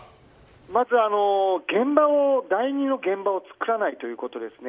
まず第２の現場を作らないということですね。